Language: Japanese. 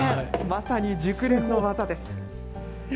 まさに熟練の技です。